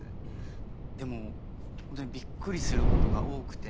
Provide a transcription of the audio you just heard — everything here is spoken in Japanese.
でもホントにびっくりすることが多くて。